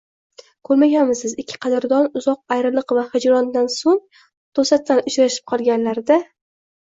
Ko‘rmaganmisiz, ikki qadrdon uzoq ayriliq va hijrondan so‘ng to‘satdan uchrashib qolganlarida